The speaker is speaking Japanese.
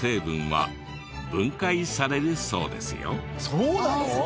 そうなの！？